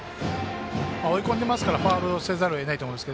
追い込んでますからファウルをせざるをえないと思います。